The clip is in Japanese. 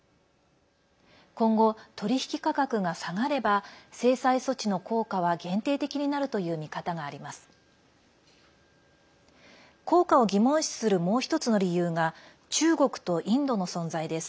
今後、取引価格が下がれば制裁措置の効果は限定的になるという見方があります。